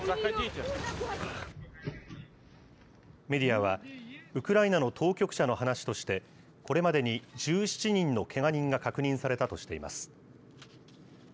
メディアは、ウクライナの当局者の話として、これまでに１７人のけが人が確認されたとしています。